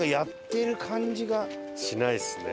しないですね。